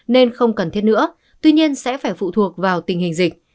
nên không cần thiết nữa tuy nhiên sẽ phải phụ thuộc vào tình hình dịch